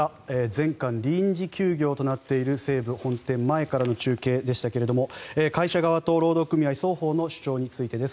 全館臨時休業となっている西武本店前からの中継でしたが会社側と労働組合双方の主張についてです。